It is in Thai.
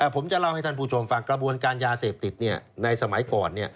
ผมจะเล่าให้ท่านผู้ชมฟังกระบวนการยาเสพติดในสมัยก่อน